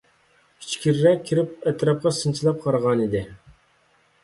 ئىچكىرىرەك كىرىپ ئەتراپقا سىنچىلاپ قارىغانىدى.